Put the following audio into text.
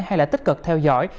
hay là tích cực theo dõi